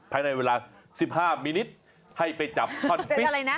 ภายในเวลา๑๕มินิตรให้ไปจับช่อนฟิช